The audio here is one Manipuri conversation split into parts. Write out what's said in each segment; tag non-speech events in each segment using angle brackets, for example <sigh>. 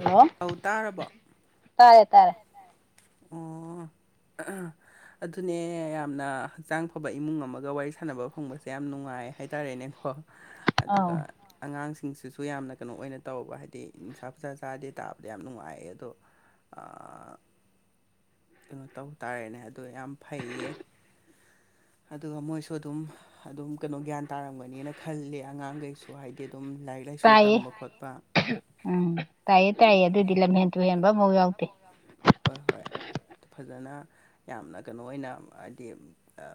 ꯍꯥꯜꯂꯣ ꯇꯥꯔꯕꯣ ꯇꯥꯔꯦ ꯇꯥꯔꯦ ꯑꯣ ꯑꯗꯨꯅꯦ ꯌꯥꯝꯅ ꯍꯛꯆꯥꯡ ꯐꯕ ꯏꯃꯨꯡ ꯑꯃꯒ ꯋꯥꯔꯤ ꯁꯥꯟꯅꯕ ꯐꯪꯕꯁꯦ ꯌꯥꯝ ꯅꯨꯡꯉꯥꯏ ꯍꯥꯏꯇꯥꯔꯦꯅꯦꯀꯣ ꯑꯗꯨꯒ ꯑꯧ ꯑꯉꯥꯡꯁꯤꯡꯁꯤꯁꯨ ꯌꯥꯝꯅ ꯀꯩꯅꯣ ꯑꯣꯏꯅ ꯇꯧꯕ ꯍꯥꯏꯗꯤ ꯅꯤꯁꯥ ꯄꯣꯠꯁꯥ ꯆꯥꯗꯦ ꯇꯥꯕꯗ ꯌꯥꯝ ꯅꯨꯡꯉꯥꯏꯌꯦ ꯑꯗꯣ ꯑꯥ ꯀꯩꯅꯣ ꯇꯧ ꯇꯥꯔꯦꯅꯦ ꯑꯗꯣ ꯌꯥꯝ ꯐꯩꯌꯦ ꯑꯗꯨ ꯃꯣꯏꯁꯨ ꯑꯗꯨꯝ ꯑꯗꯨꯝ ꯀꯩꯅꯣ ꯒ꯭ꯌꯥꯟ ꯇꯥꯔꯝꯒꯅꯤꯅ ꯈꯜꯂꯦ ꯑꯉꯥꯡꯈꯩꯁꯨ ꯍꯥꯏꯗꯤ ꯑꯗꯨꯝ ꯂꯥꯏꯔꯤꯛ ꯂꯥꯏꯁꯨ ꯇꯥꯏꯌꯦ ꯇꯝꯕ ꯈꯣꯠꯄ ꯎꯝ ꯇꯥꯏꯌꯦ ꯇꯥꯏꯌꯦ ꯑꯗꯨꯏꯗꯤ ꯂꯝꯍꯦꯟ ꯇꯨꯍꯦꯟꯕ ꯑꯐꯥꯎ ꯌꯥꯎꯗꯦ ꯍꯣꯏ ꯍꯣꯏ ꯐꯖꯅ ꯌꯥꯝꯅ ꯀꯩꯅꯣ ꯑꯣꯏꯅ ꯍꯥꯏꯗꯤ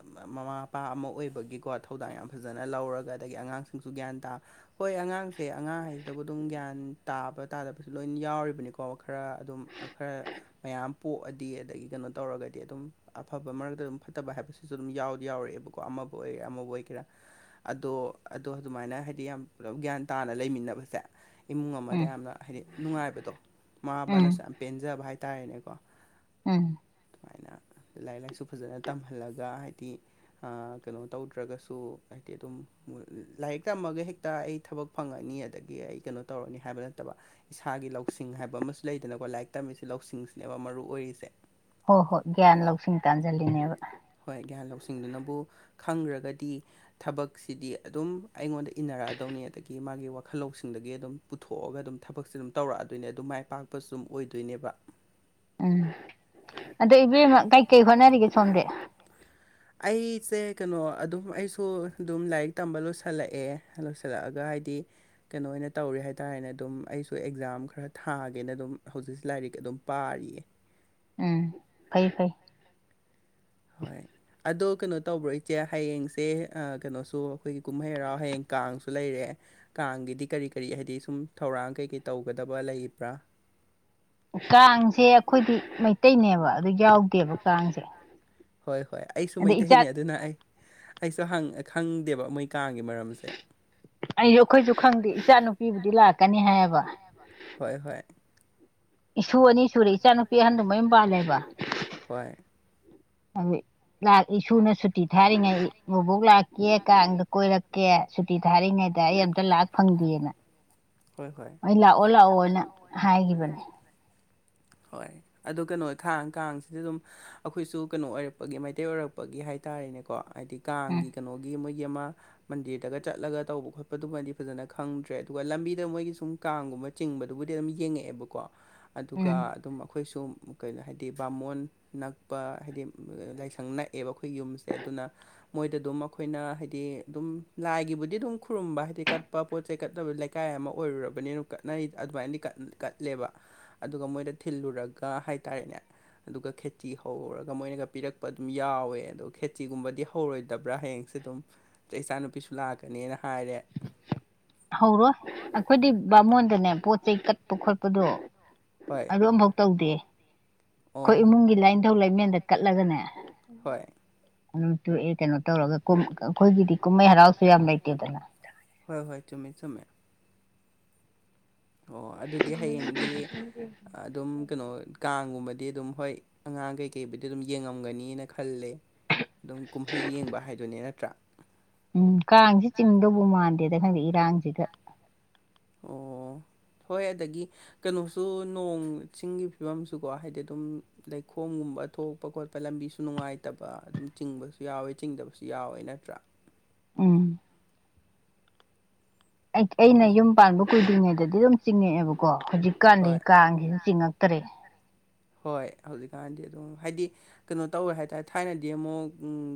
ꯃꯃꯥ ꯃꯄꯥ ꯑꯃ ꯑꯣꯏꯕꯒꯤꯀꯣ ꯊꯧꯗꯥꯡ ꯌꯥꯝ ꯐꯖꯅ ꯂꯧꯔꯒ ꯑꯗꯒꯤ ꯑꯉꯥꯡꯁꯤꯡꯁꯨ ꯒ꯭ꯌꯥꯟ ꯇꯥ ꯍꯣꯏ ꯑꯉꯥꯡꯁꯦ ꯑꯉꯥꯡ ꯍꯥꯏꯁꯤꯗꯕꯨ ꯑꯗꯨꯝ ꯒ꯭ꯌꯥꯟ ꯇꯥꯕ ꯇꯥꯗꯕꯁꯨ ꯂꯣꯏ ꯌꯥꯎꯔꯤꯕꯅꯤꯀꯣ ꯈꯔ ꯑꯗꯨꯝ ꯈꯔ ꯃꯌꯥꯝ ꯄꯣꯛꯑꯗꯤ ꯑꯗꯒꯤ ꯀꯩꯅꯣ ꯇꯧꯔꯒꯗꯤ ꯑꯗꯨꯝ ꯑꯐꯕ ꯃꯔꯛꯇ ꯑꯗꯨꯝ ꯐꯠꯇꯕ ꯍꯥꯏꯕꯁꯦ ꯁꯤꯁꯨ ꯑꯗꯨꯝ ꯌꯥꯎꯗꯤ ꯌꯥꯎꯔꯛꯑꯦꯕꯀꯣ ꯑꯃꯕꯨ ꯑꯣꯏꯒꯔꯦ ꯑꯃꯕꯨ ꯑꯣꯏꯒꯦꯔꯥ ꯑꯗꯣ ꯑꯗꯣ ꯑꯗꯨꯃꯥꯏꯅ ꯍꯥꯏꯗꯤ ꯌꯥꯝ ꯄꯨꯂꯞ ꯒ꯭ꯌꯥꯟ ꯇꯥꯅ ꯂꯩꯃꯤꯟꯅꯕꯁꯦ ꯏꯃꯨꯡ ꯑꯃꯗ ꯎꯝ ꯌꯥꯝꯅ ꯍꯥꯏꯗꯤ ꯅꯨꯡꯉꯥꯏꯕꯗꯣ ꯃꯃꯥꯕꯅꯁꯨ ꯎꯝ ꯌꯥꯝ ꯄꯦꯟꯖꯕ ꯍꯥꯏ ꯇꯥꯔꯦꯅꯦꯀꯣ ꯎꯝ ꯑꯗꯨꯃꯥꯏꯅ ꯂꯥꯏꯔꯤꯛ ꯂꯥꯏꯁꯨ ꯐꯖꯅ ꯇꯝꯍꯜꯂꯒ ꯍꯥꯏꯗꯤ ꯀꯩꯅꯣ ꯇꯧꯗ꯭ꯔꯒꯁꯨ ꯍꯥꯏꯗꯤ ꯑꯗꯨꯝ ꯂꯥꯏꯔꯤꯛ ꯇꯝꯃꯒ ꯍꯦꯛꯇ ꯑꯩ ꯊꯕꯛ ꯐꯪꯉꯅꯤ ꯑꯗꯒꯤ ꯑꯩ ꯀꯩꯅꯣ ꯇꯧꯔꯅꯤ ꯍꯥꯏꯕ ꯅꯠꯇꯕ ꯏꯁꯥꯒꯤ ꯂꯧꯁꯤꯡ ꯍꯥꯏꯕ ꯑꯃꯁꯨ ꯂꯩꯗꯅꯀꯣ ꯂꯥꯏꯔꯤꯛ ꯇꯝꯃꯤꯁꯦ ꯂꯧꯁꯤꯡꯁꯤꯅꯦꯕ ꯃꯔꯨ ꯑꯣꯏꯔꯤꯁꯦ ꯍꯣꯏ ꯍꯣꯏ ꯒ꯭ꯌꯥꯟ ꯂꯧꯁꯤꯡ ꯇꯥꯟꯁꯤꯜꯂꯤꯅꯦꯕ ꯍꯣꯏ ꯒ꯭ꯍꯟ ꯂꯧꯁꯤꯡꯗꯨꯅꯕꯨ ꯈꯪꯈ꯭ꯔꯒꯗꯤ ꯊꯕꯛꯁꯤꯗꯤ ꯑꯗꯨꯝ ꯑꯩꯉꯣꯟꯗ ꯏꯟꯅꯔꯛꯑꯗꯧꯅꯤ ꯑꯗꯒꯤ ꯃꯥꯒꯤ ꯋꯥꯈꯜ ꯂꯧꯁꯤꯡꯗꯒꯤ ꯑꯗꯨꯝ ꯄꯨꯊꯣꯛꯑꯒ ꯑꯗꯨꯝ ꯊꯕꯛꯁꯦ ꯑꯗꯨꯝ ꯇꯧꯔꯛꯑꯗꯣꯏꯅꯦ ꯑꯗꯨꯝ ꯃꯥꯏ ꯄꯥꯛꯄꯁꯨ ꯑꯗꯨꯝ ꯑꯣꯏꯗꯣꯏꯅꯦꯕ ꯎꯝ ꯑꯗꯣ ꯏꯕꯦꯝꯃ ꯀꯩꯀꯩ ꯍꯣꯠꯅꯔꯤꯒꯦ ꯁꯣꯝꯗꯤ ꯑꯩꯁꯦ ꯀꯩꯅꯣ ꯑꯗꯨꯝ ꯑꯩꯁꯨ ꯑꯗꯨꯝ ꯂꯥꯏꯔꯤꯛ ꯇꯝꯕ ꯂꯣꯏꯁꯤꯜꯂꯛꯑꯦ ꯂꯣꯏꯁꯤꯜꯂꯛꯑꯒ ꯍꯥꯏꯗꯤ ꯀꯩꯅꯣ ꯑꯣꯏꯅ ꯇꯧꯔꯤ ꯍꯥꯏꯇꯥꯔꯦꯅꯦ ꯑꯗꯨꯝ ꯑꯩꯁꯨ ꯑꯦꯛꯖꯥꯝ ꯈꯔ ꯊꯥꯒꯦꯅ ꯑꯗꯨꯝ ꯍꯧꯖꯤꯛꯁꯦ ꯂꯥꯏꯔꯤꯛ ꯑꯗꯨꯝ ꯄꯥꯔꯤꯌꯦ ꯎꯝ ꯐꯩ ꯐꯩ ꯍꯣꯏ ꯑꯗꯣ ꯀꯩꯅꯣ ꯇꯧꯕ꯭ꯔꯣ ꯏꯆꯦ ꯍꯌꯦꯡꯁꯦ ꯀꯩꯅꯣꯁꯨ ꯑꯩꯈꯣꯏꯒꯤ ꯀꯨꯝꯍꯩ ꯍꯔꯥꯎ ꯍꯌꯦꯡ ꯀꯥꯡꯁꯨ ꯂꯩꯔꯦ ꯀꯥꯡꯒꯤꯗꯤ ꯀꯔꯤ ꯀꯔꯤ ꯍꯥꯏꯗꯤ ꯁꯨꯝ ꯊꯧꯔꯥꯡ ꯀꯩꯀꯩ ꯇꯧꯒꯗꯕ ꯂꯩꯕ꯭ꯔꯥ ꯎ ꯀꯥꯡꯁꯦ ꯑꯩꯈꯣꯏꯗꯤ ꯃꯩꯇꯩꯅꯦꯕ ꯑꯗꯨ ꯌꯥꯎꯗ ꯍꯣꯏ ꯍꯣꯏ ꯑꯩꯁꯨ ꯑꯗꯩ ꯏꯆꯥ ꯃꯩꯇꯩꯅꯦ ꯑꯗꯨꯅ ꯑꯩ ꯑꯩꯁꯨ ꯈꯪꯗꯦꯕ ꯃꯣꯏ ꯀꯥꯡꯒꯤ ꯃꯔꯝꯁꯦ ꯑꯩꯁꯨ ꯑꯩꯈꯣꯏꯁꯨ ꯈꯪꯗꯦ ꯏꯆꯥ ꯅꯨꯄꯤꯕꯨꯗꯤ ꯂꯥꯛꯀꯅꯤ ꯍꯥꯏꯌꯦꯕ ꯍꯣꯏ ꯍꯣꯏ ꯏꯁꯨ ꯑꯅꯤ ꯁꯨꯔꯦ ꯏꯆꯥꯅꯨꯄꯤ ꯑꯍꯟꯗꯣ ꯃꯌꯨꯝ ꯄꯥꯜꯂꯦꯕ ꯍꯣꯏ ꯑꯗꯨ ꯏꯁꯨꯅ ꯁꯨꯇꯤ ꯊꯥꯔꯤꯉꯩ ꯕꯣꯛ ꯂꯥꯛꯀꯦ ꯀꯥꯡꯗ ꯀꯣꯏꯔꯛꯀꯦ ꯁꯨꯇꯤ ꯊꯥꯔꯤꯉꯩꯗ ꯑꯩ ꯑꯝꯇ ꯂꯥꯛ ꯐꯪꯗꯦꯅ ꯍꯣꯏ ꯍꯣꯏ ꯑꯩ ꯂꯥꯛꯑꯣ ꯂꯥꯛꯑꯣꯅ ꯍꯥꯏꯈꯤꯕꯅꯦ ꯍꯣꯏ ꯑꯗꯣ ꯀꯩꯅꯣ ꯊꯥꯡ ꯀꯥꯡꯁꯤꯗ ꯑꯗꯨꯝ ꯑꯩꯈꯣꯏꯁꯨ ꯀꯩꯅꯣ ꯑꯣꯏꯔꯛꯄꯒꯤ ꯃꯩꯇꯩ ꯑꯣꯏꯔꯛꯄ ꯒꯤ ꯍꯥꯏꯇꯥꯥꯔꯦꯅꯦꯀꯣ ꯍꯥꯏꯗꯤ ꯎꯝ ꯀꯥꯡꯒꯤ ꯀꯩꯅꯣꯒꯤ ꯃꯣꯏꯒꯤ ꯑꯃ ꯃꯟꯗꯤꯔꯗꯒ ꯆꯠꯂꯒ ꯇꯧꯕ ꯈꯣꯠꯄꯗꯨꯃꯗꯤ ꯐꯖꯅ ꯈꯪꯗ꯭ꯔꯦ ꯑꯗꯨꯒ ꯂꯝꯕꯤꯗ ꯃꯣꯏꯒꯤ ꯁꯨꯝ ꯀꯥꯡꯒꯨꯝꯕ ꯆꯤꯡꯕꯗꯨꯕꯨꯗꯤ ꯑꯗꯨꯝ ꯌꯦꯡꯉꯛꯑꯦꯕꯀꯣ ꯑꯗꯨꯒ ꯎꯝ ꯑꯗꯨꯝ ꯑꯩꯈꯣꯏꯁꯨ ꯀꯩꯅꯣ ꯍꯥꯏꯗꯤ ꯕꯥꯃꯣꯟ ꯅꯛꯄ ꯍꯥꯏꯗꯤ ꯂꯥꯏꯁꯪ ꯅꯥꯏ ꯛꯑꯦꯕ ꯑꯩꯈꯣꯏ ꯌꯨꯝꯁꯦ ꯑꯗꯨꯅ ꯃꯣꯏꯗ ꯑꯗꯨꯝ ꯑꯩꯈꯣꯏꯅ ꯍꯥꯏꯗꯤ ꯑꯗꯨꯝ ꯂꯥꯏꯒꯤꯕꯨꯗꯤ ꯑꯗꯨꯝ ꯈꯨꯔꯨꯝꯕ ꯍꯥꯏꯗꯤ ꯀꯠꯄ ꯄꯣꯠ ꯆꯩ ꯀꯠꯕ ꯀꯥꯏ ꯑꯃ ꯑꯣꯏꯔꯨꯔꯕꯅꯤꯅꯣ ꯀꯠꯅꯔꯤ ꯑꯗꯨꯃꯥꯏꯅꯗꯤ ꯀꯠꯂꯦꯕ ꯑꯗꯨꯒ ꯃꯣꯏꯗ ꯊꯤꯜꯂꯨꯔꯒ ꯍꯥꯏꯇꯥꯥꯔꯦꯅꯦ ꯑꯗꯨꯒ ꯈꯦꯇꯤ ꯍꯧꯔꯔꯒ ꯃꯣꯏꯅꯒ ꯄꯤꯔꯛꯄ ꯌꯥꯎꯋꯦ ꯑꯗꯣ ꯈꯦꯆꯤꯒꯨꯝꯕꯗꯤ ꯍꯧꯔꯣꯏꯗꯕ꯭ꯔꯥ ꯍꯌꯦꯡꯁꯦ ꯑꯗꯨꯝ ꯏꯆꯥ ꯅꯨꯨꯄꯤꯁꯨ ꯂꯥꯛ ꯅꯦ ꯍꯥꯏꯔꯦ <unintelligible> ꯍꯧꯔꯣꯏ ꯑꯩꯈꯣꯏꯗꯤ ꯕꯥꯃꯣꯟꯗꯅꯦ ꯄꯣꯠ ꯆꯩ ꯀꯠꯄ ꯈꯣꯠꯄꯗꯣ ꯍꯣꯏ ꯑꯗꯨ ꯑꯃꯝꯐꯧ ꯇꯧꯗꯦ ꯑꯩꯈꯣꯏ ꯑꯣ ꯏꯃꯨꯡꯒꯤ ꯂꯥꯏꯅꯤꯡꯊꯧ ꯂꯥꯏꯃꯦꯟꯗ ꯀꯠꯂꯒꯅꯦ ꯍꯣꯏ ꯑꯗꯨ ꯇꯣꯛꯑꯦ ꯀꯩꯅꯣ ꯇꯧꯔꯒ ꯑꯩꯈꯣꯏꯒꯤꯗꯤ ꯀꯨꯝꯍꯩ ꯍꯔꯥꯎꯁꯨ ꯌꯥꯝ ꯂꯩꯇꯦꯗꯅ ꯍꯣꯏ ꯍꯣꯏ ꯇꯨꯝꯃꯤ ꯆꯃꯦ ꯑꯣ ꯑꯗꯨꯗꯤ ꯍꯌꯦꯡꯗꯤ ꯑꯗꯨꯝ ꯀꯩꯅꯣ ꯀꯥꯡꯒꯨꯝꯕꯗꯤ ꯑꯗꯨꯝ ꯍꯣꯏ ꯑꯉꯥꯡ ꯀꯩꯀꯩꯕꯨꯗꯤ ꯑꯗꯨꯝ ꯌꯦꯡꯉꯝꯒꯅꯤꯅ ꯈꯜꯂꯦ ꯑꯗꯨꯝ ꯀꯨꯝꯍꯩ ꯌꯦꯡꯕ ꯍꯥꯏꯗꯨꯅꯦ ꯅꯠꯇ꯭ꯔꯥ ꯎꯝ ꯀꯥꯡꯁꯤ ꯆꯤꯡꯗꯧꯕ ꯃꯥꯟꯗꯦꯗ ꯈꯪꯗꯦ ꯏꯔꯥꯡꯁ ꯑꯣ ꯍꯣꯏ ꯑꯗꯒꯤ ꯀꯩꯅꯣꯁꯨ ꯅꯣꯡ ꯆꯤꯡꯒꯤ ꯐꯤꯕꯝꯁꯨꯀꯣ ꯍꯥꯏꯗꯤ ꯑꯗꯨꯝ ꯂꯩꯈꯣꯝꯒꯨꯝꯕ ꯊꯣꯛꯄ ꯈꯣꯠꯄ ꯂꯝꯕꯤꯁꯨ ꯅꯨꯡꯉꯥꯏꯇꯕ ꯑꯗꯨꯝ ꯆꯤꯡꯕꯁꯨ ꯌꯥꯎꯋꯦ ꯆꯤꯡꯗꯕꯁꯨ ꯌꯥꯎꯋꯦ ꯅꯠꯇ꯭ꯔꯥ ꯎꯝ ꯑꯩ ꯑꯩꯅ ꯎꯝ ꯌꯨꯝ ꯄꯥꯟꯕ ꯀꯨꯏꯗ꯭ꯔꯤꯉꯩꯗꯗꯤ ꯑꯗꯨꯝ ꯆꯤꯡꯉꯛꯑꯦꯕꯀꯣ ꯍꯧꯖꯤꯛꯀꯥꯟꯗꯤ ꯍꯣꯏ ꯀꯥꯡꯁꯤꯁꯨ ꯆꯤꯡꯉꯛꯇꯔꯦ ꯍꯣꯏ ꯍꯧꯖꯤꯛꯀꯥꯟꯗꯤ ꯑꯗꯨꯝ ꯍꯥꯏꯗꯤ ꯀꯩꯅꯣ ꯇꯧꯔꯦ ꯍꯥꯏꯇꯥꯔꯦ ꯊꯥꯏꯅꯗꯤ ꯑꯃꯨꯛ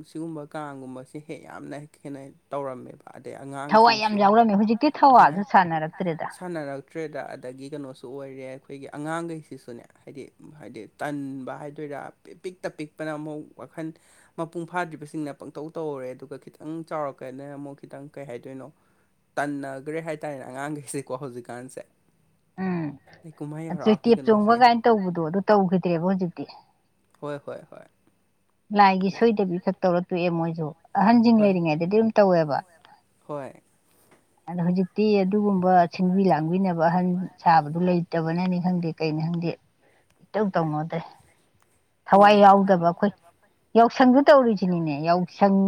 ꯁꯤꯒꯨꯝꯕ ꯀꯥꯡꯒꯨꯝꯕꯁꯦ ꯍꯦꯛ ꯌꯥꯝꯅ ꯍ ꯍꯦꯟꯅ ꯇꯧꯔꯝꯃꯦꯕ ꯑꯗꯩ ꯊꯋꯥꯏ ꯌꯥꯝ ꯑꯉꯥꯡꯁꯤꯡꯁꯨ ꯌꯥꯎꯔꯝꯃꯦ ꯍꯧꯖꯤꯛꯇꯤ ꯊꯋꯥꯏ ꯊꯋꯥꯁꯨ ꯁꯥꯟꯅꯔꯛꯇ꯭ꯔꯦꯗ ꯁꯥꯟꯅꯔꯛꯇ꯭ꯔꯦꯗ ꯑꯗꯒꯤ ꯀꯩꯅꯣꯁꯨ ꯑꯣꯏꯔꯦ ꯑꯩꯈꯣꯏꯒꯤ ꯑꯉꯥꯡꯈꯩꯁꯤꯁꯨꯅꯦ ꯍꯥꯏꯗꯤ ꯍꯥꯏꯗꯤ ꯇꯟꯕ ꯍꯥꯏꯗꯣꯏꯔꯥ ꯄꯤꯛꯇ ꯄꯤꯛꯄꯅ ꯑꯃꯨꯛ ꯋꯥꯈꯜ ꯃꯄꯨꯡ ꯐꯥꯗ꯭ꯔꯤꯕꯁꯤꯡꯅ ꯄꯪꯇꯧ ꯇꯧꯍꯧꯔꯦ ꯑꯗꯨꯒ ꯈꯤꯇꯪ ꯆꯥꯎꯔꯛꯀꯗꯅ ꯑꯃꯨꯛ ꯈꯤꯇꯪ ꯀꯩ ꯍꯥꯏꯗꯣꯏꯅꯣ ꯇꯟꯅꯈ꯭ꯔꯦ ꯍꯥꯏ ꯇꯥꯔꯦꯅꯦ ꯑꯉꯥꯡꯈꯩꯁꯦꯀꯣ ꯍꯧꯖꯤꯛꯀꯥꯟꯁꯦ ꯎꯝ ꯑꯗꯨ ꯀꯨꯃꯥꯏꯔꯀꯤ ꯇꯦꯞ ꯆꯣꯡꯕ ꯀꯩꯅꯣꯁꯦ ꯀꯥꯏꯅ ꯇꯧꯕꯗꯣ ꯑꯗꯨ ꯇꯧꯈꯤꯗ꯭ꯔꯦꯕ ꯍꯧꯖꯤꯛꯇꯤ ꯍꯣꯏ ꯍꯣꯏ ꯍꯣꯏ ꯂꯥꯏꯒꯤ ꯑꯗꯩ ꯁꯣꯏꯗꯕꯤ ꯈꯛ ꯇꯧꯔꯛꯇꯣꯛꯑꯦ ꯃꯣꯏꯁꯨ ꯑꯍꯟꯁꯤꯡ ꯍꯣꯏ ꯂꯩꯔꯤꯉꯩꯗꯗꯤ ꯑꯗꯨꯝ ꯇꯧꯋꯦꯕ ꯍꯣꯏ ꯑꯗꯣ ꯍꯧꯖꯤꯛꯇꯤ ꯑꯗꯨꯒꯨꯝꯕ ꯁꯤꯟꯕꯤ ꯂꯥꯡꯕꯤꯅꯕ ꯑꯍꯟ ꯁꯥꯕꯗꯨ ꯂꯩꯇꯕꯅꯅꯤ ꯈꯪꯗꯦ ꯀꯩꯩꯅ ꯈꯪꯗꯦ ꯏꯇꯧ ꯇꯧꯃꯣꯗꯦ ꯊꯋꯥꯏ ꯍꯣꯏ ꯌꯥꯎꯗꯕ ꯑꯩꯈꯣꯏ ꯌꯥꯎꯁꯪꯗꯨ ꯇꯧꯔꯤꯁꯤꯅꯤꯅꯦ ꯌꯥꯎꯁꯪ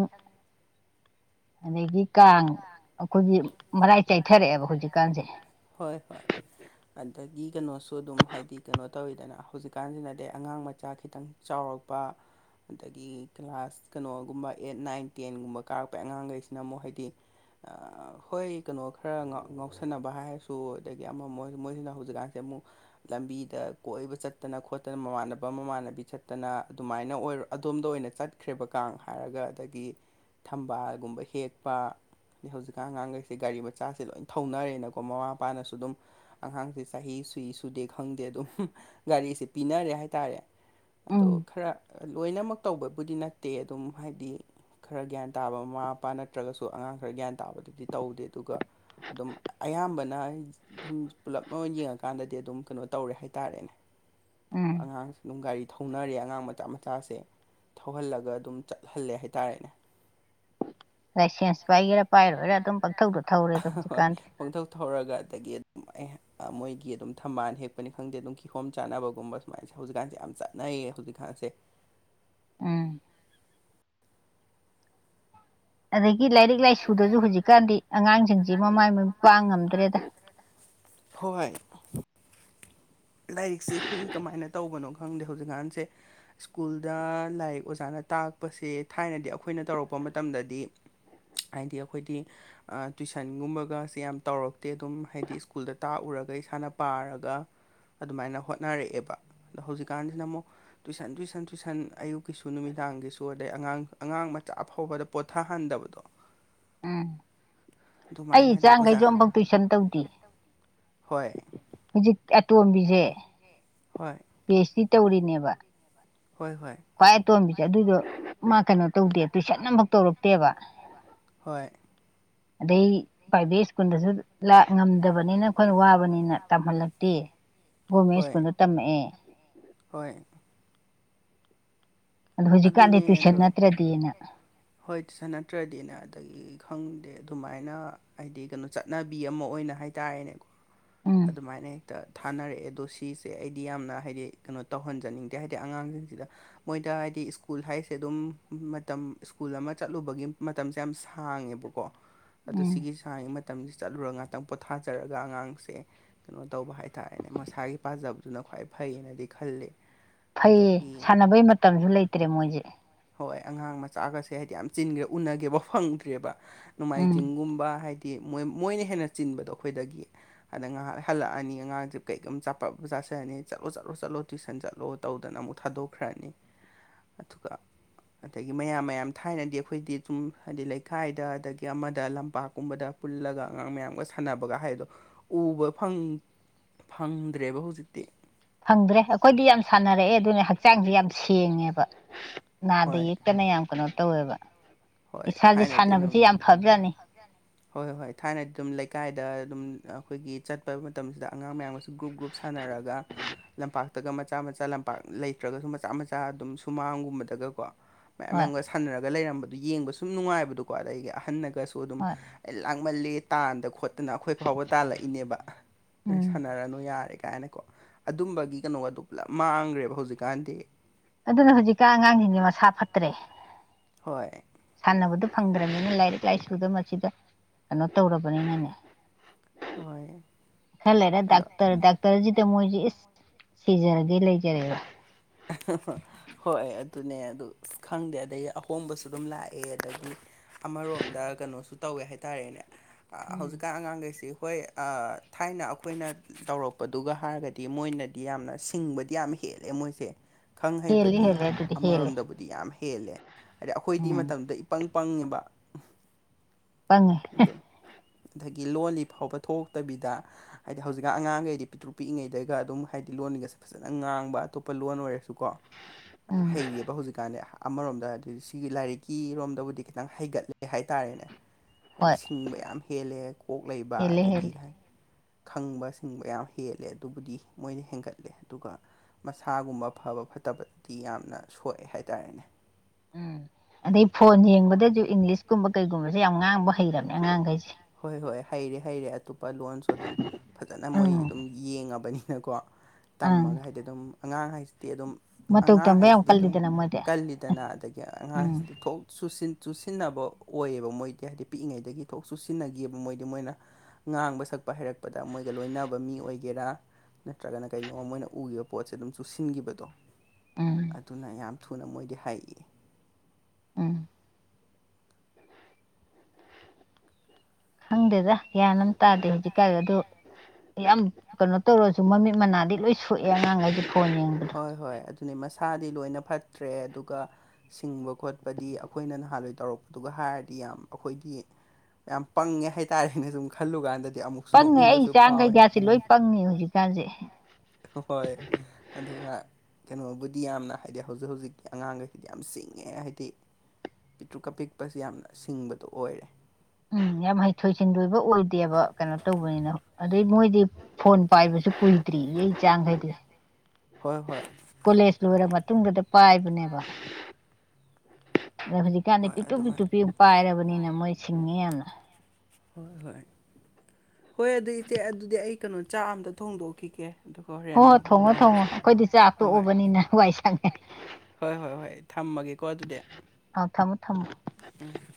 <inaudible> ꯑꯗꯒꯤ ꯀꯥꯡ ꯑ ꯑꯩꯈꯣꯏꯒꯤ ꯃꯔꯥꯏ ꯆꯥꯏꯊꯔꯛꯑꯦꯕ ꯍꯧꯖꯤꯛꯀꯥꯟꯁꯦ ꯍꯣꯏ ꯍꯣꯏ ꯑꯗꯒꯤ ꯀꯩꯅꯣꯁꯨ ꯑꯗꯨꯝ ꯍꯥꯏꯗꯤ ꯀꯩꯅꯣ ꯇꯧꯋꯤꯗꯅ ꯍꯧꯖꯤꯛꯀꯥꯟꯁꯤꯅꯗꯤ ꯑꯉꯥꯡ ꯃꯆꯥ ꯈꯤꯇꯪ ꯆꯥꯎꯔꯛꯄ ꯑꯗꯒꯤ ꯀ꯭ꯂꯥꯁ ꯀꯩꯅꯣꯒꯨꯝꯕ ꯑꯩꯠ ꯅꯥꯏꯟ ꯇꯦꯟꯒꯨꯝꯕ ꯀꯥꯔꯛꯄꯩ ꯑꯉꯥꯡꯈꯩꯁꯤꯅ ꯑꯃꯨꯛ ꯍꯥꯏꯗꯤ ꯑ ꯍꯣꯏ ꯀꯩꯅꯣ ꯈꯔ ꯉꯥꯎꯁꯟꯅꯕ ꯍꯥꯏꯔꯁꯨ ꯑꯗꯒꯤ ꯑꯃ ꯃꯣꯏ ꯃꯣꯏꯁꯤꯅ ꯍꯧꯖꯤꯛꯀꯥꯟꯁꯦ ꯑꯃꯨꯛ ꯂꯝꯕꯤꯗ ꯀꯣꯏꯕ ꯆꯠꯇꯅ ꯈꯣꯠꯇꯅ ꯃꯃꯥꯟꯅꯕ ꯃꯃꯥꯟꯅꯕꯤ ꯆꯠꯇꯅ ꯑꯗꯨꯃꯥꯏꯅ ꯑꯣꯏꯔꯣ ꯑꯗꯣꯝꯗ ꯑꯣꯏꯅ ꯆꯠꯈ꯭ꯔꯦꯕ ꯀꯥꯡ ꯍꯥꯏꯔꯒ ꯑꯗꯒꯤ ꯊꯝꯕꯥꯜꯒꯨꯝꯕ ꯍꯦꯛꯄ ꯑꯗꯩ ꯍꯧꯖꯤꯛꯀꯥꯟꯉꯥꯡꯈꯩꯁꯦ ꯒꯥꯔꯤ ꯃꯆꯥꯁꯦ ꯂꯣꯏ ꯊꯧꯅꯔꯦꯅꯀꯣ ꯃꯃꯥ ꯃꯄꯥꯅꯁꯨ ꯑꯗꯨꯝ ꯑꯉꯥꯡꯁꯦ ꯆꯍꯤ ꯁꯨꯏ ꯁꯨꯗꯦ ꯈꯪꯗꯦ ꯑꯗꯨꯝ ꯒꯥꯔꯤꯁꯦ ꯄꯤꯅꯔꯦ ꯍꯥꯏꯇꯥꯔꯦ ꯑꯗꯣ ꯎꯝ ꯈꯔ ꯂꯣꯏꯅꯃꯛ ꯇꯧꯕꯕꯨꯗꯤ ꯅꯠꯇꯦ ꯑꯗꯨꯝ ꯍꯥꯏꯗꯤ ꯈꯔ ꯒ꯭ꯌꯥꯟ ꯇꯥꯕ ꯃꯃꯥ ꯃꯄꯥ ꯅꯠꯇ꯭ꯔꯒꯁꯨ ꯑꯉꯥꯡ ꯈꯔ ꯒ꯭ꯌꯥꯟ ꯇꯥꯕꯗꯨꯗꯤ ꯇꯧꯗꯦ ꯑꯗꯨꯒ ꯑꯗꯨꯝ ꯑꯌꯥꯝꯕꯅ ꯑꯩ ꯌꯨꯝ ꯄꯨꯂꯞ ꯃ ꯌꯦꯡꯉꯀꯥꯟꯗꯗꯤ ꯑꯗꯨꯝ ꯀꯩꯅꯣ ꯇꯧꯔꯦ ꯍꯥꯏꯇꯥꯔꯦꯅꯦ ꯎꯝ ꯑꯉꯥꯡꯁ ꯑꯗꯨꯝ ꯒꯥꯔꯤ ꯊꯧꯅꯔꯦ ꯑꯉꯥꯡ ꯃꯆꯥ ꯃꯆꯥꯁꯦ ꯊꯧꯍꯜꯂꯒ ꯑꯗꯨꯝ ꯆꯠꯍꯜꯂꯦ ꯍꯥꯏꯇꯥꯔꯦꯅꯦ ꯂꯥꯏꯁꯦꯟꯁ ꯄꯥꯏꯒꯦꯔꯥ ꯄꯥꯏꯔꯣꯏꯔꯥ ꯑꯗꯨꯝ ꯄꯪꯊꯧꯗꯣ ꯊꯧꯔꯦꯗꯣ ꯍꯧꯖꯤꯛꯀꯥꯟꯗꯤ ꯄꯥꯡꯊꯧꯣꯛ ꯊꯧꯔꯒ ꯑꯗꯒꯤ ꯑꯗꯨꯝ ꯃꯣꯏꯒꯤ ꯑꯗꯨꯝ ꯊꯝꯕꯥꯜ ꯍꯦꯛꯄꯅꯤ ꯈꯪꯗꯦ ꯑꯗꯨꯝ ꯀꯤꯍꯣꯝ ꯆꯥꯅꯕꯒꯨꯝꯕ ꯁꯨꯃꯥꯏꯅꯁꯦ ꯍꯧꯖꯤꯛꯀꯥꯟꯁꯦ ꯌꯥꯝ ꯆꯠꯅ ꯏꯌꯦ ꯍꯧꯖꯤꯛ ꯈꯁꯦ ꯎꯝ ꯑꯗꯒꯤ ꯂꯥꯏꯔꯤꯛ ꯂꯥꯏꯁꯨꯗꯁꯨ ꯍꯧꯖꯤꯛꯀꯥꯟꯗꯤ ꯑꯉꯥꯡꯁꯤꯡꯁꯤ ꯃꯃꯥꯏ ꯃ ꯄꯥꯡ ꯉꯝꯗ꯭ꯔꯦꯗ ꯍꯣꯏ ꯂꯥꯏꯔꯤꯛꯁꯤ ꯑꯩꯈꯣꯏꯒꯤ ꯀꯃꯥꯏꯅ ꯇꯧꯕꯅꯣ ꯈꯪꯗꯦ ꯍꯧꯖꯤꯛꯀꯥꯟꯁꯦ ꯁ꯭ꯀꯨꯜꯗ ꯂꯥꯏꯔꯤꯛ ꯑꯣꯖꯥꯅ ꯇꯥꯛꯄꯁꯦ ꯊꯥꯏꯅꯗꯤ ꯑꯩꯈꯣꯏꯅ ꯇꯧꯔꯛꯄ ꯃꯇꯝꯗꯗꯤ ꯍꯥꯏꯗꯤ ꯑꯩꯈꯣꯏꯗꯤ ꯇꯨꯏꯁꯟꯒꯨꯝꯕꯒꯁꯦ ꯌꯥꯝ ꯇꯧꯔꯛꯇꯦ ꯑꯗꯨꯝ ꯍꯥꯏꯗꯤ ꯁ꯭ꯀꯨꯜꯗ ꯇꯥꯛꯎꯔꯒ ꯏꯁꯥꯅ ꯄꯥꯔꯒ ꯑꯗꯨꯃꯥꯏꯅ ꯍꯣꯠꯅꯔꯛꯑꯦꯕ ꯑꯗꯣ ꯍꯧꯖꯤꯛꯀꯥꯟꯁꯤꯅ ꯑꯃꯨꯛ ꯇꯨꯏꯁꯟ ꯇꯨꯏꯁꯟ ꯇꯨꯏꯁꯟ ꯑꯌꯨꯛꯀꯤꯁꯨ ꯅꯨꯃꯤꯗꯥꯡꯒꯤꯁꯨ ꯑꯗꯩ ꯑꯉꯥꯡ ꯑꯉꯥꯡ ꯃꯆꯥ ꯑ ꯐꯥꯎꯕꯗ ꯄꯣꯊꯥꯍꯟꯗꯕꯗꯣ ꯎꯝ ꯑꯩ ꯑꯗꯨꯃꯥꯏꯅ ꯑꯗꯩ ꯑꯣꯖꯥ ꯏꯆꯥꯈꯩꯖꯣꯐꯥꯎ ꯇꯨꯏꯁꯟ ꯇꯧꯗꯦ ꯍꯣꯏ ꯍꯧꯖꯤꯛ ꯑꯇꯣꯝꯕꯤꯁꯦ ꯍꯣꯏ ꯄꯤ ꯑꯩꯆ ꯗꯤ ꯇꯧꯔꯤꯅꯦꯕ ꯍꯣꯏ ꯍꯣꯏ ꯈ꯭ꯋꯥꯏ ꯑꯇꯣꯝꯕꯤꯁꯦ ꯥꯏ ꯑꯗꯨꯏꯗꯣ ꯇꯝꯗꯦ ꯑꯗꯨꯗꯣ ꯃꯥ ꯇꯧꯗꯦ ꯀꯩꯅꯣ ꯇꯨꯏꯁꯟ ꯑꯃꯐꯥꯎ ꯇꯧꯗꯦꯅꯃꯛ ꯇꯧꯔꯛꯇꯦꯕ ꯇꯧꯔꯝꯛꯇꯦꯕ ꯍꯣꯏ ꯑꯗ ꯄꯥꯏꯕ ꯁ꯭ꯀꯨꯜꯗꯁꯨ ꯉꯝꯗꯕꯅꯤꯅ ꯑꯩꯈꯣꯏꯅ ꯋꯥꯕꯅꯤꯅ ꯇꯝꯍꯜꯂꯛꯇꯦ ꯒꯣꯔꯃꯦꯟ ꯍꯣꯏ ꯁ꯭ꯀꯨꯜꯗ ꯇꯝꯃꯛꯑꯦ ꯍꯣꯏ ꯑꯗꯣ ꯍꯧꯖꯤꯛꯀꯥꯟꯗꯤ ꯑꯗꯨꯅꯦ ꯇꯨꯏꯁꯟ ꯑꯗꯣ ꯅꯠꯇ꯭ꯔꯗꯤꯅ ꯍꯣꯏ ꯇꯁꯥ ꯅꯠꯇ꯭ꯔꯗꯤꯅ ꯑꯗꯒꯤ ꯈꯪꯗꯦ ꯑꯗꯨꯃꯥꯏꯅ ꯍꯥꯏꯗꯤ ꯀꯩꯅꯣ ꯆꯠꯅꯕꯤ ꯑꯃ ꯑꯣꯏꯅ ꯍꯥꯏ ꯍꯥꯏꯇꯥꯔꯦꯅꯦꯀꯣ ꯎꯝ ꯑꯗꯨꯃꯥꯏꯅ ꯍꯦꯛꯇ ꯊꯥꯅꯔꯛꯑꯦ ꯑꯗꯣ ꯁꯤꯁꯦ ꯑꯩꯗꯤ ꯌꯥꯝꯅ ꯍꯥꯏꯗꯤ ꯀꯩꯅꯣ ꯇꯧꯍꯟꯖꯅꯤꯡꯗꯦ ꯍꯥꯏꯗꯤ ꯑꯉꯥꯡꯁꯤꯡꯁꯤꯗ ꯃꯣꯏꯗꯥꯏ ꯍꯥꯏꯗꯤ ꯁ꯭ꯀꯨꯜ ꯍꯥꯏꯁꯦ ꯑꯗꯨꯝ ꯃꯇꯝ ꯁ꯭ꯀꯨꯜ ꯑꯃ ꯆꯠꯂꯨꯕꯒꯤ ꯃꯇꯝꯁꯦ ꯌꯥꯝ ꯁꯥꯡꯉꯦꯕꯀꯣ ꯑꯗꯣ ꯎꯝ ꯁꯤꯒꯤ ꯁꯥꯉꯩ ꯃꯇꯝꯁꯤ ꯆꯠꯂꯨꯔ ꯉꯥꯛꯇꯪ ꯄꯣꯊꯥꯖꯔꯒ ꯑꯉꯥꯡꯁꯦ ꯀꯩꯅꯣ ꯇꯧꯕ ꯍꯥꯏꯇꯥꯔꯦꯅꯦ ꯃꯁꯥꯒꯤ ꯄꯥꯖꯕꯗꯨꯅ ꯈ꯭ꯋꯥꯏ ꯐꯩꯌꯦꯅꯗꯤ ꯈꯜꯂꯤ ꯐꯩꯌꯦ ꯁꯥꯟꯅꯕꯩ ꯃꯇꯝꯁꯨ ꯂꯩꯇ꯭ꯔꯦ ꯃꯣꯏꯁꯦ ꯍꯣꯏ ꯑꯉꯥꯡ ꯃꯆꯥꯒꯁꯦ ꯍꯥꯏꯗꯤ ꯌꯥꯝ ꯆꯤꯟꯒꯔ ꯎꯅꯒꯦꯕ ꯐꯪꯗ꯭ꯔꯦꯕ ꯎꯝ ꯅꯣꯡꯃꯥꯏꯖꯤꯡꯒꯨꯝꯕ ꯍꯥꯏꯗꯤ ꯃꯣꯏ ꯃꯣꯏꯅ ꯍꯦꯟꯅ ꯆꯤꯟꯕꯗꯣ ꯑꯩꯈꯣꯏꯗꯒꯤ ꯑꯗ ꯉꯥꯏꯍꯥꯛ ꯍꯜꯂꯛꯑꯅꯤ ꯑꯉꯥꯡꯁꯦ ꯀꯩꯒꯨꯝꯝ ꯆꯆꯥꯄꯞ ꯆꯥꯁꯂꯑꯅꯤ ꯆꯠꯂꯣ ꯆꯠꯣ ꯆꯂꯣ ꯇꯨꯏꯁꯟ ꯆꯠꯂꯣ ꯇꯧꯗꯅ ꯑꯃꯨꯛ ꯊꯥꯗꯣꯛꯈ꯭ꯔꯅꯤ ꯑꯗꯨꯒ ꯑꯗꯒꯤ ꯃꯌꯥꯝ ꯃꯌꯥꯝ ꯊꯥꯏꯅꯗꯤ ꯑꯩꯈꯣꯏꯗꯤ ꯑꯗꯨꯨꯝ ꯍꯥꯏꯗꯤ ꯂꯩꯀꯥꯏꯗ ꯑꯗꯒꯤ ꯑꯃꯗ ꯂꯝꯄꯥꯛꯀꯨꯝꯕꯗ ꯄꯨꯜꯂꯒ ꯑꯉꯥꯡ ꯃꯌꯥꯝꯒ ꯁꯥꯟꯅꯕꯒ ꯍꯥꯏꯗꯣ ꯎꯕ ꯐꯪ ꯐꯪꯗ꯭ꯔꯦꯕ ꯍꯧꯖꯤꯛꯇꯤ ꯐꯪꯗ꯭ꯔꯦ ꯑꯩꯈꯣꯏꯗꯤ ꯌꯥꯝ ꯁꯥꯟꯅꯔꯛꯑꯦ ꯑꯗꯨꯅ ꯍꯛꯆꯥꯡꯁꯦ ꯌꯥꯝ ꯁꯦꯡꯉꯦꯕ ꯅꯥꯗꯦ ꯍꯣꯏ ꯌꯦꯛ ꯀꯅ ꯌꯥꯝ ꯀꯩꯅꯣ ꯇꯧꯋꯦꯕ ꯍꯣꯏ ꯏꯁꯥꯁꯦ ꯁꯥꯟꯅꯕꯁꯤ ꯌꯥꯝ ꯐꯕꯥꯖꯥꯠꯅꯤ ꯍꫭꯏ ꯍꯣꯏ ꯍꯣꯏ ꯊꯥꯏꯅꯗꯤ ꯑꯗꯨꯝ ꯂꯩꯀꯥꯏꯗ ꯑꯗꯨꯝ ꯑꯩꯈꯣꯏꯒꯤ ꯆꯠꯄ ꯃꯇꯝꯁꯤꯗ ꯑꯉꯥꯡ ꯃꯌꯥꯝꯒ ꯒ꯭ꯔꯨꯞ ꯒ꯭ꯔꯨꯞ ꯁꯥꯟꯅꯔꯒ ꯂꯝꯄꯥꯛ ꯇꯒ ꯃꯆꯥ ꯃꯆꯥ ꯂꯝꯄꯥꯛ ꯂꯩꯇ꯭ꯔꯒꯁꯨ ꯃꯆꯥ ꯃꯆꯥ ꯑꯗꯨꯝ ꯁꯨꯃꯥꯡꯒꯨꯝꯕꯗꯒꯀꯣ ꯃꯌꯥꯝ ꯍꯣꯏ ꯃꯌꯥꯝꯒ ꯁꯅꯥ ꯁꯅꯔꯒ ꯂꯩꯔꯝꯕꯗꯨ ꯌꯦꯡꯕ ꯁꯨꯝ ꯅꯨꯡꯉꯥꯏꯕꯗꯣꯀꯣ ꯑꯗꯒꯤ ꯑꯍꯟꯅꯒꯁꯨ ꯑꯗꯨꯝ ꯍꯣꯏ ꯑꯩ ꯂꯥꯡꯃꯜꯂꯦ ꯇꯥꯟꯗ ꯈꯣꯠ ꯑꯗꯨꯅ ꯑꯩꯈꯣꯏ ꯐꯥꯎꯕ ꯇꯥꯜꯂꯛꯏꯅꯦꯕ ꯅꯣꯏ ꯎꯝ ꯁꯥꯟꯅꯔꯅꯨ ꯌꯥꯔꯦ ꯀꯥꯏꯅꯀꯣ ꯑꯗꯨꯝꯕꯒꯤ ꯀꯩꯅꯣ ꯑꯗꯨ ꯄꯨꯂꯞ ꯃꯥꯡꯈ꯭ꯔꯦꯕ ꯍꯧꯖꯤꯛꯀꯥꯟꯗꯤ ꯑꯗꯨꯅ ꯍꯧꯖꯤꯛꯀ ꯑꯉꯥꯡꯁꯤꯡꯖ ꯃꯁꯥ ꯐꯠꯇ꯭ꯔꯦ ꯍꯣꯏ ꯁꯥꯟꯅꯕꯗꯨꯣ ꯐꯪꯗ꯭ꯔꯅꯤꯅ ꯂꯥꯏꯔꯤꯛ ꯂꯥꯏꯁꯨꯗ ꯃꯁꯤꯗ ꯀꯩꯅꯣ ꯇꯧꯔꯕꯅꯤꯅꯅꯦ ꯍꯣꯏ ꯈꯔꯥ ꯂꯩꯔ ꯑꯗꯣ ꯗꯥꯛꯇ꯭ꯔ ꯗꯥꯛꯇ꯭ꯔ ꯗꯣꯛꯇꯔꯁꯤꯗ ꯃꯣꯏꯁꯤꯦ ꯏꯁ ꯁꯤꯖꯔꯒꯦ ꯂꯩꯖꯔꯦꯕ <unintelligible> <inaudible> ꯍꯣꯏ ꯑꯗꯨꯅꯦ ꯑꯗꯨ ꯈꯪꯗꯦ ꯑꯗꯒꯤ ꯑꯍꯣꯡꯕꯁꯨ ꯑꯗꯨꯝ ꯂꯥꯛꯑꯦ ꯑꯗꯒꯤ ꯑꯃꯔꯣꯝꯗ ꯀꯩꯅꯣꯁꯨ ꯇꯧꯋꯦ ꯍꯥꯏꯇꯥꯔꯦꯅꯦ ꯎꯝ ꯍꯧꯖꯤꯛꯀꯥꯟ ꯑꯉꯥꯡꯈꯩꯁꯤ ꯍꯣꯏ ꯊꯥꯏꯅ ꯑꯩꯈꯣꯏꯅ ꯇꯧꯔꯛꯄꯗꯨꯒ ꯍꯥꯏꯔꯨꯔꯒꯗꯤ ꯃꯣꯏꯅꯗꯤ ꯌꯥꯝꯅ ꯁꯤꯡꯕꯗꯤ ꯌꯥꯝ ꯍꯦꯜꯂꯦ ꯃꯣꯏꯁꯦ ꯈꯪ ꯍꯦꯜꯂꯦ ꯍꯩꯕꯗꯤ ꯍꯦꯜꯂꯦ ꯑꯗꯨꯗꯤ ꯍꯦꯜꯂꯦ ꯑꯃꯔꯣꯝꯗꯕꯨ ꯌꯥꯝ ꯍꯦꯜꯂꯦ ꯍꯥꯏꯗꯤ ꯑꯩꯈꯣꯏꯗꯤ ꯎꯝ ꯃꯇꯝꯗ ꯏꯄꯪ ꯄꯪꯉꯤꯕ ꯄꯪꯉꯦ ꯑ ꯑꯗꯒꯤ ꯂꯣꯜꯂꯤ ꯐꯥꯎꯕ ꯊꯣꯛꯇꯕꯤꯗ ꯍꯥꯏꯗꯤ ꯍꯧꯖꯤꯛꯀ ꯑꯉꯥꯡꯈꯩꯗꯤ ꯄꯤꯛꯇ꯭ꯔꯨ ꯄꯤꯛꯑꯤ ꯉꯩꯗꯒ ꯑꯗꯨꯝ ꯍꯥꯏꯗꯤ ꯂꫭꯜꯒꯁꯦ ꯐꯖꯅ ꯉꯥꯡꯕ ꯑꯇꯣꯞꯄ ꯂꯣꯟ ꯑꯣꯏꯔꯁꯨꯀꯣ ꯎꯝ ꯍꯩꯌꯦꯕ ꯍꯧꯖꯤꯛꯀꯥꯟꯗꯤ ꯑꯃꯔꯣꯝꯗ ꯑꯗꯨꯗꯤ ꯁꯤꯒꯤ ꯂꯥꯏꯔꯤꯛꯀꯤꯔꯣꯝꯗꯕꯨꯗꯤ ꯈꯤꯇꯪ ꯍꯩꯒꯠꯂꯦ ꯍꯥꯏꯇꯥꯔꯦꯅꯦ ꯍꯣꯏ ꯁꯤꯡꯕ ꯌꯥꯝ ꯍꯦꯜꯂꯦ ꯀꯣꯛ ꯂꯩꯕ ꯍꯦꯜꯂꯦ ꯑꯗꯒꯤ ꯍꯦꯜꯂꯦ ꯍꯥꯏ ꯈꯪꯕ ꯁꯤꯡꯕ ꯌꯥꯝ ꯍꯦꯜꯂꯦ ꯑꯗꯨꯕꯨꯗꯤ ꯃꯣꯏꯅ ꯍꯦꯟꯒꯠꯂꯦ ꯑꯗꯨꯒ ꯃꯁꯥꯒꯨꯝꯕ ꯐꯕ ꯐꯠꯇꯕꯗꯤ ꯌꯥꯝꯅ ꯁꯣꯛꯑꯦ ꯍꯥꯏꯇꯥꯔꯦꯅꯦ ꯎꯝ ꯑꯗꯩ ꯐꯣꯟ ꯌꯦꯡꯕꯗꯁꯨ ꯏꯪꯂꯤꯁꯀꯨꯝꯕ ꯀꯩꯒꯨꯝꯕꯁꯦ ꯌꯥꯝ ꯉꯥꯡꯕ ꯍꯩꯔꯕꯅꯦ ꯑꯉꯥꯡꯈꯩꯁꯦ ꯍꯣꯏ ꯍꯣꯏ ꯍꯥꯏꯔꯦ ꯍꯥꯏꯔꯦ ꯑꯗꯨ ꯑꯄ ꯂꯣꯟꯁꯨ ꯑꯗꯨꯝ ꯐꯖꯅ ꯃꯣꯏ ꯎꯝ ꯑꯗꯨꯝ ꯌꯦꯡꯉꯕꯅꯤꯅꯀꯣ ꯑꯪ ꯇꯝꯃꯒ ꯍꯥꯏꯗꯤ ꯑꯗꯨꯝ ꯑꯉꯥꯡ ꯍꯥꯏꯁꯤꯗꯤ ꯑꯗꯨꯝ ꯃꯇꯧ ꯑꯉꯥꯡ ꯇꯝꯕ ꯌꯥꯝ ꯍꯥꯏꯁꯤꯗꯤ ꯑꯗꯨꯝ ꯀꯜꯂꯤꯗꯅ ꯃꯣꯏꯗꯤ ꯀꯜꯂꯤꯗꯅ ꯑꯗꯒꯤ ꯑꯉꯥꯡ ꯎꯝ ꯍꯥꯏꯁꯤꯗꯤ ꯊꯣꯛ ꯆꯨꯁꯤꯟꯅꯕ ꯑꯣꯏꯌꯦꯕ ꯃꯣꯏ ꯄꯤꯛꯏꯉꯩꯗꯒꯤ ꯀꫭꯛ ꯆꯨꯁꯤꯟꯅꯈꯤꯕ ꯃꯣꯏꯗꯤ ꯃꯣꯏꯅ ꯉꯥꯡꯕ ꯁꯛꯄ ꯍꯩꯔꯛꯄꯗ ꯃꯣꯏꯒ ꯂꯣꯏꯅꯕ ꯃꯤ ꯑꯣꯏꯒꯦꯔꯥ ꯅꯠꯇ꯭ꯔꯒꯅ ꯀꯩꯅꯣ ꯃꯣꯏꯅ ꯎꯈꯤꯕ ꯄꯣꯠꯁꯦ ꯑꯗꯨꯝ ꯆꯨꯞꯁꯤꯟꯈꯤꯕꯗꯣ ꯎꯝ ꯑꯗꯨꯅ ꯌꯥꯝ ꯊꯨꯅ ꯃꯣꯏꯗꯤ ꯍꯩꯏꯔꯛꯏ <unintelligible> ꯈꯪꯗꯦꯗ ꯒꯔꯥꯟ ꯑꯝ ꯇꯥꯗꯦ ꯍꯧꯖꯤꯛꯀꯥꯟ ꯑꯗꯨ ꯌꯥꯝ ꯀꯩꯅꯣ ꯇꯧꯔꯁꯨ ꯃꯃꯤꯠ ꯃꯅꯥꯗꯤ ꯂꯣꯏ ꯁꯣꯛꯑꯦ ꯑꯉꯥꯡꯈꯩꯗꯤ ꯐꯣꯟ ꯌꯦꯡꯕꯗꯣ ꯍꯣꯏ ꯍꯣꯏ ꯑꯗꯨ ꯃꯁꯥꯗꯤ ꯂꯣꯏꯅ ꯐꯠꯇ꯭ꯔꯦ ꯑꯗꯨꯒ ꯁꯤꯡꯕ ꯈꯣꯠꯄꯗꯤ ꯑꯩꯈꯣꯏꯅ ꯅꯍꯥꯟꯋꯥꯏ ꯇꯧꯔꯛꯄꯗꯨꯒ ꯍꯥꯏꯔꯗꯤ ꯌꯥꯝ ꯑꯩꯈꯣꯏꯗꯤ ꯌꯥꯝ ꯄꯪꯉꯦ ꯍꯥꯏꯇꯥꯔꯦꯅꯦ ꯁꯨꯝ ꯈꯜꯂꯨꯀꯥꯟꯗꯗꯤ ꯑꯃꯨꯛ ꯄꯪꯉꯦ ꯑꯩ ꯑꫯꯆꯥ ꯈꯩꯗꯤ ꯂꯣꯏ ꯄꯪꯉꯦ ꯍꯧꯖꯤꯛꯀꯥꯟꯁꯦ ꯍꯣꯏ ꯍꫭꯏ ꯑꯗꯨꯒ ꯀꯩꯅꯣꯕꯨꯗꯤ ꯌꯥꯝꯅ ꯍꯥꯏꯗꯤ ꯍꯧꯖꯤꯛ ꯍꯧꯖꯤꯛꯀꯤ ꯑꯉꯥꯡꯈꯩꯁꯤꯗꯤ ꯌꯥꯝ ꯆꯤꯡꯉꯦ ꯍꯥꯏꯗꯤ ꯄꯤꯇ꯭ꯔꯨꯛꯀꯄꯤꯛꯄꯁ ꯌꯥꯝꯅ ꯁꯤꯡꯕꯗꯣ ꯑꯣꯏꯔꯦ ꯎꯝ ꯌꯥꯝ ꯍꯩꯊꯣꯏ ꯁꯤꯡꯊꯣꯏꯕ ꯑꯣꯏꯗꯦꯕ ꯀꯩꯅꯣ ꯇꯧꯕꯅꯤꯅ ꯑꯗꯨꯗꯩ ꯃꯣꯏꯗꯤ ꯐꯣꯟ ꯄꯥꯏꯕꯁꯨ ꯀꯨꯏꯗ꯭ꯔꯤ ꯏꯩ ꯆꯥꯡꯈꯩꯗꯤ ꯍꯣꯏ ꯍꯣꯏ ꯀꯣꯂꯦꯖ ꯂꯣꯏꯔ ꯃꯇꯨꯡꯗꯨꯗ ꯄꯥꯏꯕꯅꯦꯕ ꯑꯗ ꯍꯧꯖꯤꯛꯀꯥꯟꯗꯤ ꯍꯣꯏ ꯄꯤꯛꯇꯨ ꯄꯤꯛꯇꯨ ꯑꯗꯨꯃꯥꯏꯅ ꯄꯤꯛ ꯄꯥꯏꯔꯕꯅꯤꯅ ꯃꯣꯏ ꯁꯤꯡꯉꯤ ꯌꯥꯝꯅ ꯍꯣꯏ ꯍꯣꯏ ꯍꯣꯏ ꯑꯗꯨ ꯏꯆꯦ ꯑꯗꯨꯗꯤ ꯑꯩ ꯀꯩꯅꯣ ꯆꯥꯛ ꯑꯝꯇ ꯊꯣꯡꯗꯣꯛꯈꯤꯒꯦ ꯑꯗꯨꯒ ꯍꯣꯔꯦꯟ ꯍꯣꯏ ꯍꯣꯏ ꯑꯃꯨꯛ ꯊꯣꯡꯉꯣ ꯊꯣꯡꯉꯣ ꯇꯧꯔꯁꯦ ꯑꯩꯈꯣꯏꯗꯤ ꯍꯣꯏ ꯍꯣꯏ ꯆꯥꯛꯇꯣꯛꯎꯕꯅꯤꯅ ꯋꯥꯏ ꯁꯪꯉꯦ ꯍꯣꯏ ꯍꯣꯏ ꯍꯣꯏ ꯊꯝꯃꯒꯦꯀꯣ ꯑꯗꯨꯗꯤ ꯑꯥꯎ ꯊꯝꯃꯣ ꯊꯝꯃꯣ <unintelligible>